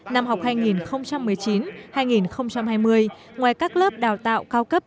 năm học hai nghìn một mươi chín hai nghìn hai mươi ngoài các lớp đào tạo cao cấp